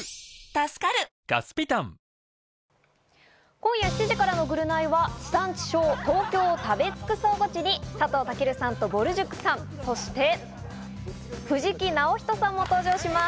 今夜７時からの『ぐるナイ』は地産地消、東京を食べつくそうゴチに佐藤健さんとぼる塾さん、そして藤木直人さんも登場します。